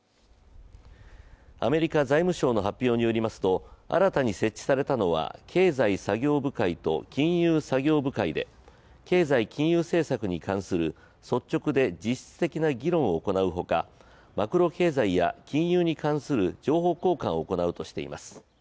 アメリカ財務省の発表によりますと新たに設置されたのは経済作業部会と金融作業部会で経済・金融政策に関する率直で実質的な議論を行うほかマクロ経済や金融に関する情報交換を行うとしています。